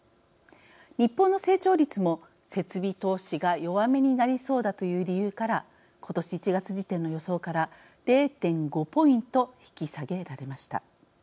日本の成長率も設備投資が弱めになりそうだという理由から今年１月時点の予想から０．５ポイント引き下げられました。